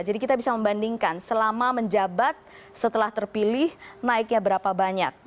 jadi kita bisa membandingkan selama menjabat setelah terpilih naiknya berapa banyak